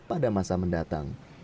pada masa mendatang